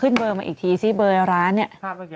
เบอร์มาอีกทีซิเบอร์ร้านเนี่ย